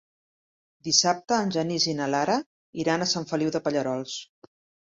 Dissabte en Genís i na Lara iran a Sant Feliu de Pallerols.